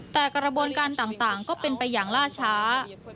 แต่กระบวนการต่างก็เป็นไปอย่างล่าช้า